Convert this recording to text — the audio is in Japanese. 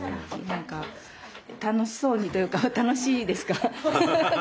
何か楽しそうにというか楽しいですか？